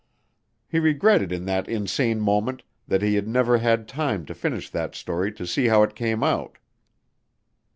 He regretted in that insane moment that he had never had time to finish that story to see how it came out.